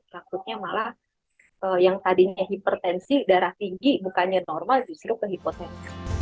takutnya malah yang tadinya hipertensi darah tinggi bukannya normal justru ke hipotek